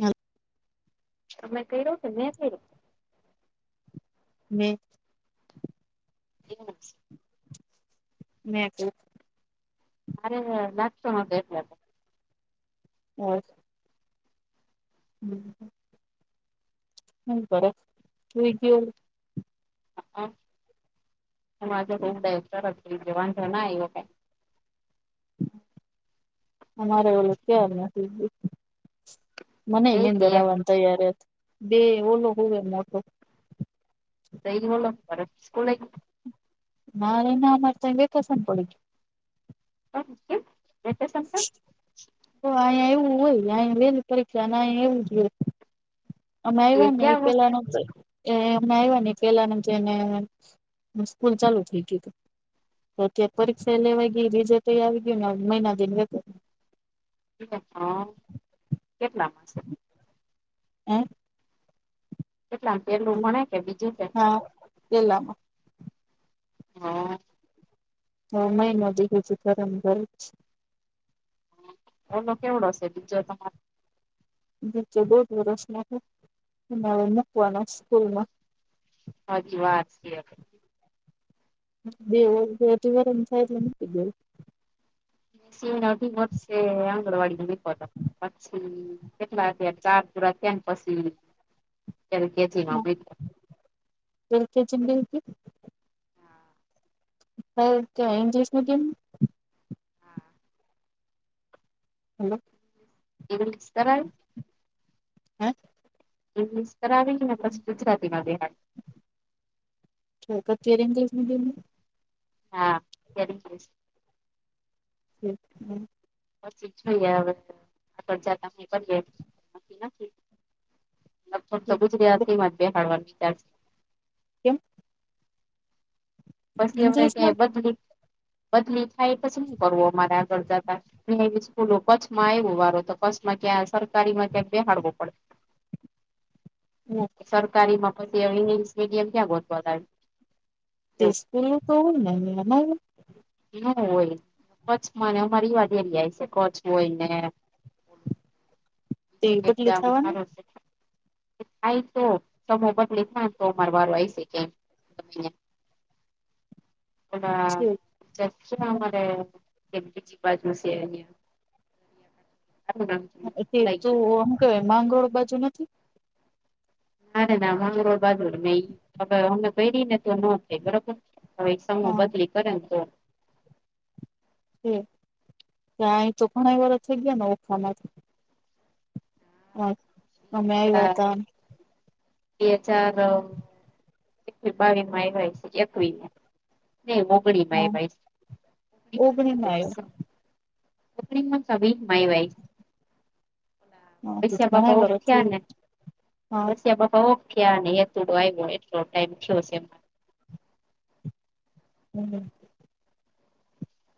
હા. તમે કર્યો છે મે કર્યું? ને. [unintelligible] મે આપ્યુ. મારે [unintelligible] ત્યારે. હા. [inaudible] કાય ફરક કોઈ કે. [unintelligible] અમારે ઓલો ક્યાર મને બે એની કે અંદર એક આવવાની તૈયાર બે ઓલો હોયમ મોટો [unintelligible] [unintelligible] [unintelligible] તો અહીયા એવું હોય અ લે ને પરીક્ષાને અયા એવું જ હોય. અમે આવવા ને એ પેલા ન એ એમને આવ્યા ન પેલા જેને સ્કૂલ ચાલુ થઇ ગયું હતી. તો અત્યારે પરીક્ષા લેવાઈ ગય રીજે તોઈ આવી ગયું ને મહિના દે [unintelligible] કેટલામાં છે? [inaudible] કેટલામાં પેલું ભણે કે બીજું કે? હા પેલામાં [unintelligible] એનો કેવો હશે બીજો તમારે નીચે દોઢ વર્ષનો મૂકવાના સ્કૂલમાં. હજી વાર છે. [unintelligible] મુકી દેવું. [unintelligible] ન વર્ષે આંગણવાડી નહી પતે. પછી કેટલાર ચાર [unintelligible] પછી. [unintelligible] [unintelligible] [unintelligible] ઈનગલિસમા કોને. [inaudible] [unintelligible] [inaudible] ઇંગ્લિશત આવી ને પસી ગુજરાતીમાં બેહાર. [unintelligible] હા. [unintelligible] [inaudible] પછી જોઈએ હવે આગળ જતા કરીએ. [unintelligible] લગતો ગુજરાતીમાં જ બિહારવાળ ત્યાર કેમ? પછી હવે કે ઇંગ્લિશમાં બદલી બદલી થાય પછી નહી કરવું અમારે આગળ જતા. એવી સ્કૂલો કચ્છમાં આવ્યો વારો તો કચ્છમાં ક્યાં સરકારીમાં ક્યાં બેહાડવો પડે. [inaudible] સરકારીમાં પછી ઇંગ્લિશ મીડિયમ ક્યા ગોતવા જાય? તે સ્કૂલું તો હોય ને. [unintelligible] ના હોય કચ્છમાંને અમારી વાત એવી જાય છે કચ્છ હોય ને તે બદલી થવાની? આ તો થાય તો બદલે ના તો અમાર વારો આવી શકે એમ [inaudible] છે એ જેમરે [inaudible] [unintelligible] એમ બીજી બાજુ છે અહં તું આમ કેવાય માંગળ બાજુ નથી. ના ના બંગાળ બાજુ અમે પરીને તો ન થાય બરોબર હવે સમૂહ હા બદલી કરે તો ત્યા તો ઘણા વાર થઈ ગયા ને ઓખામાંથી હ હમ્યા [inaudible] ચાર વાત બે હજાર એકવીસ બાવીસમાં એવાય છે એકવીસ ન મોગડી [inaudible] [unintelligible] માં એવાય છે મોગમાં ન ઓગણીમાં [unintelligible] માં સ માય [inaudible] વાઈ આવ્યા વસ્યા ઘણા બાપા ઓફ વર્ષ થઈ થયા ને હા વૈસિયા બાપા ઓફ ગયા એતુંડ આવ એટલો ટાઈમ થયો. હમ.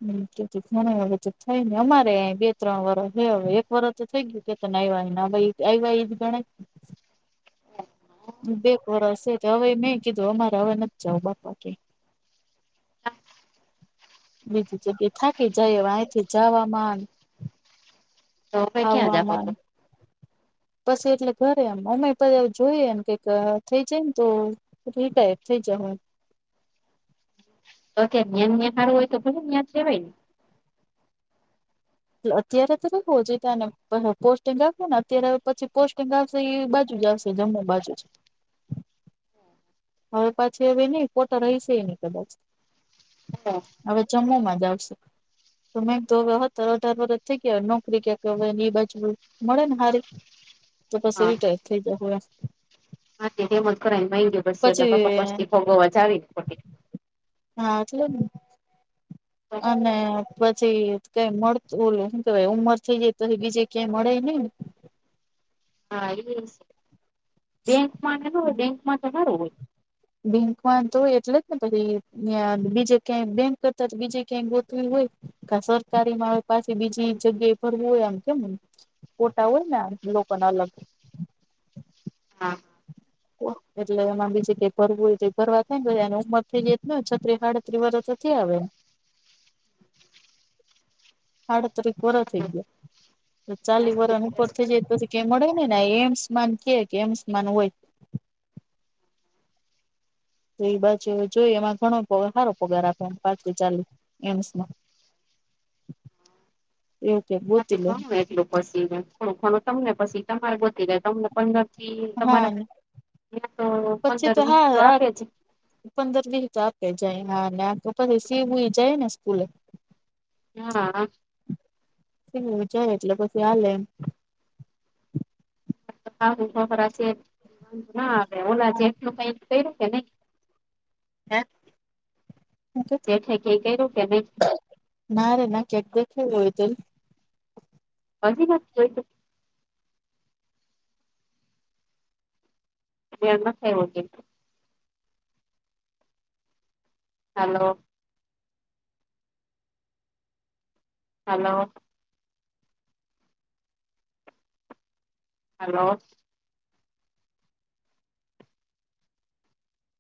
હમ કેું ઘને હવે તો થાય ને અમારે બે ત્રણ વર્ષ હવે એક વર્ષ તો થઈ ગયું ને ભાઈ જ ગણ [inaudible] [unintelligible] બે કોર હશે તો હવે મેં કીધું અમારે હવે નથી જાવ બાપા કે બીજી જગ્યા થાકી જાય અહિયાથી જવામાં તો હવે ક્યાં જાવો આવવામાં તો પછી એટલે ઘરે એમ મમ્મી પપ્પા જોઈએ એમ કે થઈ જાય ને તો રિટાયર થઇ જાય હું તો જ્યા ખાડું હોય તો ભલેું તયાં કેવાયને અત્યારે તો રહેવું જોઈ તને પોસ્ટિંગ આપ ને અત્યારે પછી પોસ્ટિંગ એ બાજુ જ આવશે જમ્મુને બાજુ જ હવે પાછી હવે નઈ પોતા રહીશે એ નની કદાચ હા. હવે જમ્મુમાં જ આવશે. તમે તો તરત જ થઈ ગયા નોકરી ક્યા કરે એ બાજુ મળે ને હારી તો પછી હવે ટાઈમ થઈ ગયો. માટે તેમમાં જ કર ગે [inaudible] બસ એટલા પછી પપા પછથી ભોગવવા જાવ ને [inaudible] હા. અને પછી કેવાય નહી ઉંમર થઈ જાય તોપછી બીજે ક્યાય મળે નહીને હા એ બેંકમાં હોય બેંકમાં તો સારું હોય બેંકમાં તો હોય એટલે જ ને પછી બીજે ક્યાં બેંક કરતા બીજે ક્યાંક ગોતવી હોય. કા સરકારી મારે પાછી બીજી જગ્યાએ ભરવું હોય. આમ કેમને ફોટા હોય ને લોકોને અલગ હા. એટલે એમાં બીજે કઈ ભરવું હોય ભરવા થઈ જવું ઉંમર થઈ જ છત્રીસ સાડત્રી વર્ષ કે હવે સાડત્રીસ વર્ષ થઈ ગયા. ચાલીસ વર્ષથી ઉપર થઇ જાય પછી કે મળે ને એમ્સમાન કે કે એમ્સન હોય તો એ બાજ જોઈ એમાં ઘણો સારો પગાર આપે એ પાંત્રીસ કે ચાલીસ એમ્સમાં [inaudible] ઓકે. નથી ખણને એટલું પછી ખોણું ખણું તમને પછી તમારે બતી રહે તમને પંદર થી હા તમારા તો પછી પંદર વીસ તો હા આપે છે. પંદર દિવસ આપે જાય હા આખ પછી સીવું જાય ને સ્કૂલે હા. જાય એટલે પછી હાલે એમ. ખ ખરા છે વાંધ ના આવે ઓલા જેટલું કઈક કર્યું કે નઈ. હા તેઠ કઈ કર્યું કે ન. ના રે ના કેટ દખ હોઈતલ. હજી જો. થ ઓગે. હલો. હલો. હલો.